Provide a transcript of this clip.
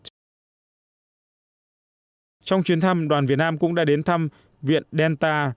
trong chuyến thăm đoàn việt nam cũng đã đến thăm viện delta